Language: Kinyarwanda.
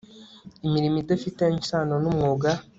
imirimo idafitanye isano n umwuga